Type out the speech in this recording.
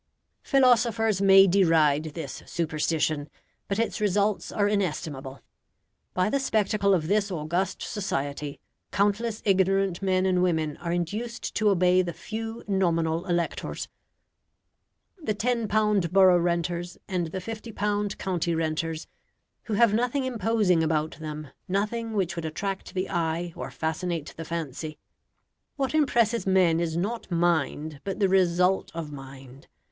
Philosophers may deride this superstition, but its results are inestimable. By the spectacle of this august society, countless ignorant men and women are induced to obey the few nominal electors the Ll0 borough renters, and the L50 county renters who have nothing imposing about them, nothing which would attract the eye or fascinate the fancy. What impresses men is not mind, but the result of mind.